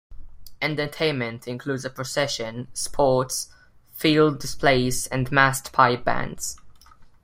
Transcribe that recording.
Entertainment includes a procession, sports, field displays and massed pipe bands.